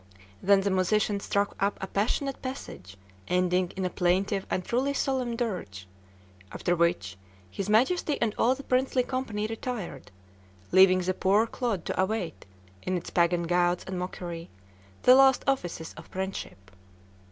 Then the musicians struck up a passionate passage, ending in a plaintive and truly solemn dirge; after which his Majesty and all the princely company retired, leaving the poor clod to await, in its pagan gauds and mockery, the last offices of friendship.